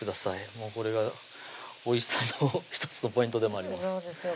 もうこれがおいしさの１つのポイントでもありますそうですよ